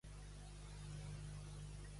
A qui volia oprimir Penteu?